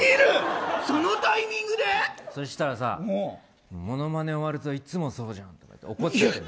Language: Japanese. そしたらさ、モノマネ終わるといつもそうじゃんって怒っちゃってね。